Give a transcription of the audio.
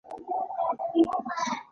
هغه څوک چې فکر کولای شي هغه ماته نه خوري.